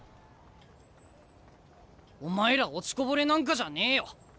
お前ら落ちこぼれなんかじゃねえよ。